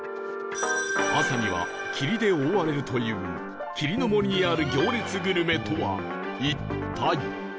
朝には霧で覆われるという霧の森にある行列グルメとは一体？